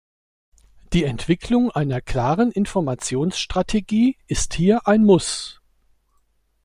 Die Entwicklung einer klaren Informationsstrategie ist hier ein Muss.